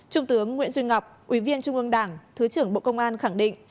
trung tướng nguyễn duy ngọc ủy viên trung ương đảng thứ trưởng bộ công an khẳng định